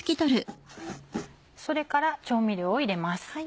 それから調味料を入れます。